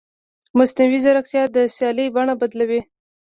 مصنوعي ځیرکتیا د سیالۍ بڼه بدلوي.